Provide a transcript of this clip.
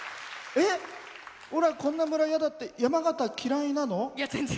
「俺らこんな村嫌だ」って山形嫌いなの？